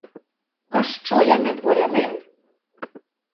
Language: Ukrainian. А що я не дворянин!